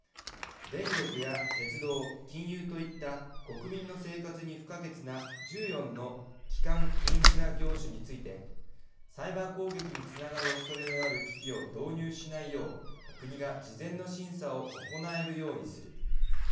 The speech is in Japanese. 電力や鉄道、金融といった国民の生活に不可欠な１４の基幹インフラ業種についてサイバー攻撃につながるおそれのある機器を導入しないよう国が事前の審査を行えるようにする。